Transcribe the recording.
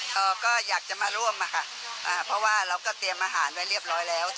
ผมอยากจะมาร่วมนะคะเพราะเราก็เตรียมอาหารเรียบร้อยแล้ว